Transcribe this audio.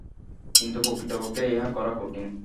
কিন্তু প্রকৃতপক্ষে ইহা করা কঠিন।